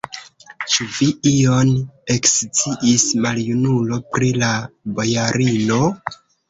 Ĉu vi ion eksciis, maljunulo, pri la bojarino?